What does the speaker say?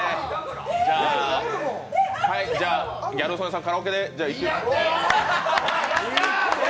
ギャル曽根さんカラオケで。